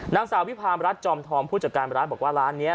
นางสาววิพามรัฐจอมทองผู้จัดการร้านบอกว่าร้านนี้